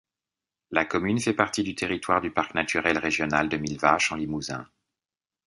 La commune fait partie du territoire du Parc naturel régional de Millevaches en Limousin.